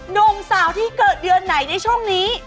หนุ่มสาวที่เกิดเดือนไหนในช่วงนี้